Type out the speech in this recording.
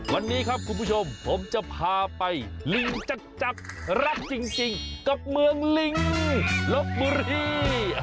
วันนี้ครับคุณผู้ชมผมจะพาไปลิงจักรรักจริงกับเมืองลิงลบบุรี